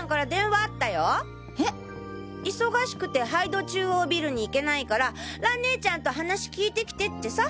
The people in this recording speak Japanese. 忙しくて杯戸中央ビルに行けないから蘭ねえちゃんと話聞いてきてってさ！